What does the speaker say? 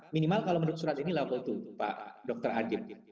minimal kalau menurut surat ini level itu pak dr adib